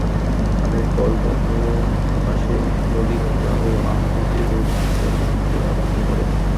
ধানের কল তখনো আকাশে মলিনতা ও আহার্যে রোগ বিস্তার করতে আরম্ভ করে নি।